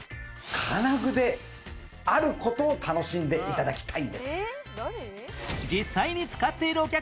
金具である事を楽しんで頂きたいんです。